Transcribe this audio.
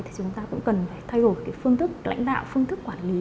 thì chúng ta cũng cần thay đổi cái phương thức lãnh đạo phương thức quản lý